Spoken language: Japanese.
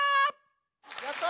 やった！